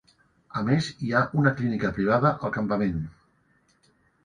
A més, hi ha una clínica privada al campament.